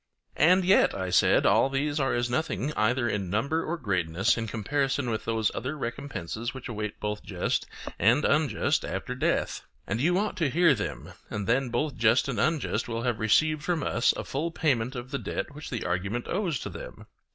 And yet, I said, all these are as nothing either in number or greatness in comparison with those other recompenses which await both just and unjust after death. And you ought to hear them, and then both just and unjust will have received from us a full payment of the debt which the argument owes to them.